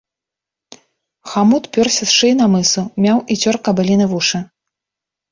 Хамут пёрся з шыі на мысу, мяў і цёр кабыліны вушы.